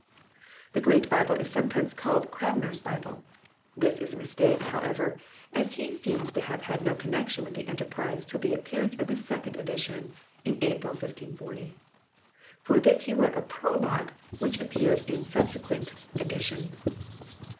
The Great Bible is sometimes called Cranmer s Bible ; this is a mistake, however, as he seems to have had no connection with the enterprise till the appear ance of the second edition in April 1540. For this he wrote a prologue which appeared in subsequent B. 5 66 HISTORY OF THE ENGLISH BIBLE [OH. editions.